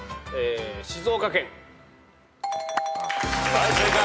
はい正解。